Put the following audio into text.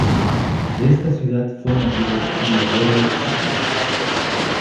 De esta ciudad fue nativo Diodoro Sículo.